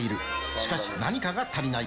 しかし何かが足りない。